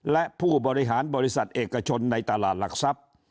และผู้บริหารบริษัทเอกชนในตลาดหลักทรัพย์